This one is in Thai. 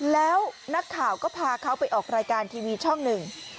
แล้วนักข่าวก็พาเขาไปออกรายการทีวีช่องหนึ่ง